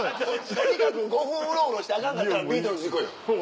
とにかく５分うろうろしてアカンかったらビートルズ行こうよ。